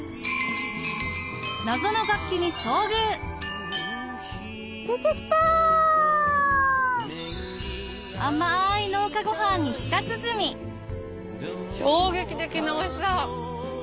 謎の楽器に遭遇出て来た！に舌鼓衝撃的なおいしさ。